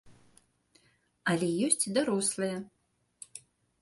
Але ёсць і дарослыя.